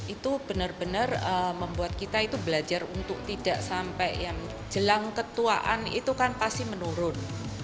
itu benar benar membuat kita itu belajar untuk tidak sampai yang jelang ketuaan itu kan pasti menurun